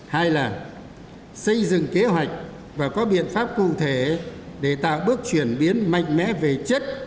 hai là xây dựng kế hoạch và có biện pháp cụ thể để tạo bước chuyển biến mạnh mẽ về chất